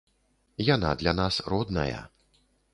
Яна для нас родная.